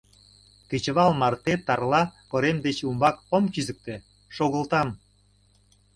Кечывал марте Тарла корем деч умбак ом кӱзыктӧ — шогылтам.